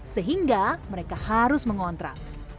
sehingga mereka harus mengontrak